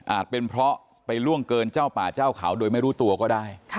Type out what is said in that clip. เป็นเพราะไปล่วงเกินเจ้าป่าเจ้าเขาโดยไม่รู้ตัวก็ได้